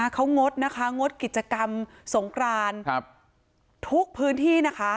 เขางดนะคะงดกิจกรรมสงครานทุกพื้นที่นะคะ